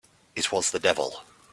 It was the devil!